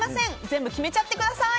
全部決めちゃってください！